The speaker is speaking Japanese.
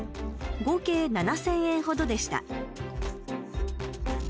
合計７０００円ほどでした。